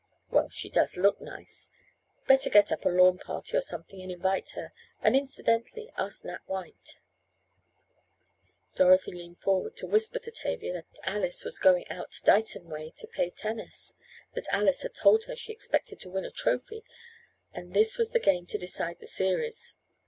"Well, she does look nice. Better get up a lawn party or something and invite her, and incidentally ask Nat White." Dorothy leaned forward to whisper to Tavia that Alice was going out Dighton way to play tennis, that Alice had told her she expected to win a trophy and this was the game to decide the series.